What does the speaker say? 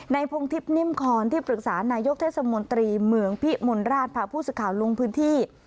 พงทิพย์นิ่มคอนที่ปรึกษานายกเทศมนตรีเมืองพิมลราชพาผู้สื่อข่าวลงพื้นที่